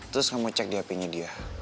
terus kamu cek di handphonenya dia